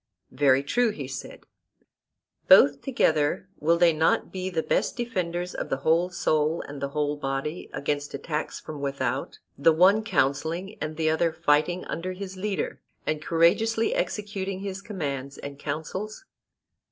Very true, he said. Both together will they not be the best defenders of the whole soul and the whole body against attacks from without; the one counselling, and the other fighting under his leader, and courageously executing his commands and counsels?